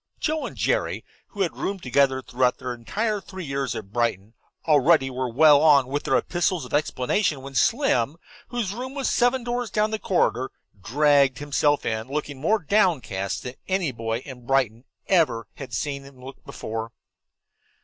Joe and Jerry, who had roomed together throughout their entire three years at Brighton, already were well on with their epistles of explanation when Slim, whose room was seven doors down the corridor, dragged himself in, looking more downcast than any boy in Brighton ever had seen him look before.